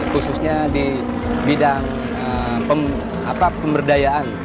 khususnya di bidang pemberdayaan